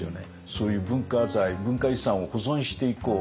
そういう文化財文化遺産を保存していこう。